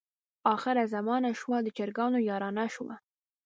اخره زمانه شوه د چرګانو یارانه شوه.